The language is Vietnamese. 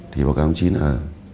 thì báo cáo chí là